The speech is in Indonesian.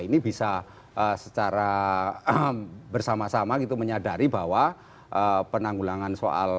ini bisa secara bersama sama gitu menyadari bahwa penanggulangan soal covid sembilan belas